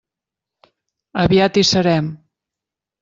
Aviat hi serem!